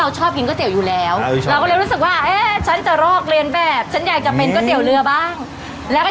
จริงนะเฮียตอนแรกเนี่ย